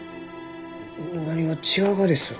何が違うがですろう？